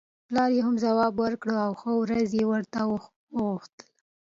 پلار یې هم ځواب ورکړ او ښه ورځ یې ورته وغوښته.